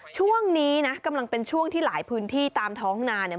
ช่วงนี้นะกำลังเป็นช่วงที่หลายพื้นที่ตามท้องนาเนี่ย